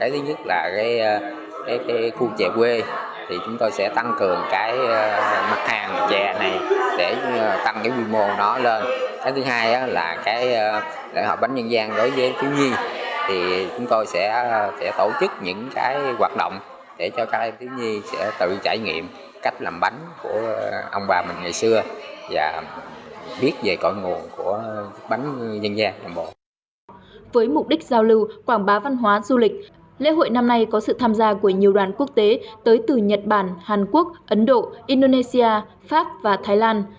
với mục đích giao lưu quảng bá văn hóa du lịch lễ hội năm nay có sự tham gia của nhiều đoàn quốc tế tới từ nhật bản hàn quốc ấn độ indonesia pháp và thái lan